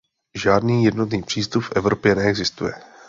Žádný jednotný přístup v Evropě neexistuje.